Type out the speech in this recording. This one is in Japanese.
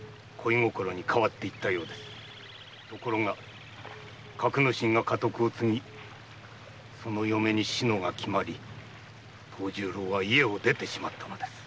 ところが覚之進が家督を継ぎその嫁に志乃が決まり藤十郎は家を出てしまったのです。